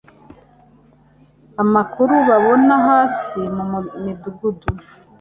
amakuru babona hasi mu midugudu